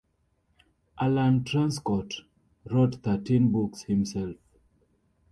Alan Truscott wrote thirteen books himself.